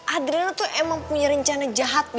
adriana tuh emang punya rencana jahat bi